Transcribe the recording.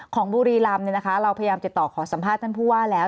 ของบุรีรำเนี่ยนะคะเราพยายามติดต่อขอสัมภาษณ์ท่านผู้ว่าแล้ว